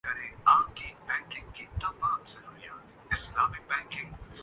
مطلب یہ ہے کہ کوئی یہ خیال نہ کرے